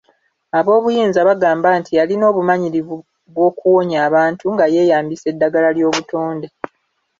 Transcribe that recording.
Aboobuyinza bagamba nti yalina obumanyirivu bw'okuwonya abantu nga yeeyambisa eddagala ly'obutonde.